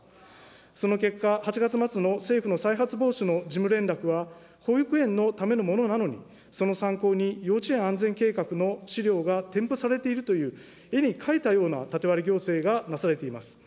その結果、８月末の政府の再発防止の事務連絡は、保育園のためのものなのに、その参考に幼稚園安全計画の資料が添付されているという、絵に描いたような縦割り行政がなされています。